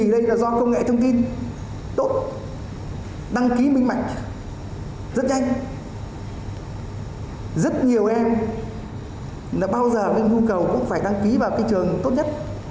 rất nhiều em bao giờ nguyên khu cầu cũng phải đăng ký vào cái trường tốt nhất